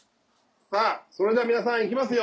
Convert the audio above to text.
さぁそれでは皆さん行きますよ。